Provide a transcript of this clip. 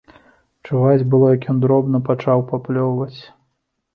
Чуваць было, як ён дробна пачаў паплёўваць.